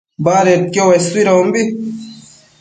badedquio uesuidombi